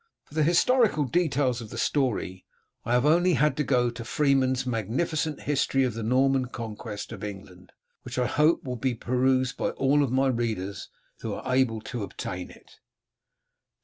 For the historical details of the story, I have only had to go to Freeman's magnificent History of the Norman Conquest of England, which I hope will be perused by all of my readers who are able to obtain it.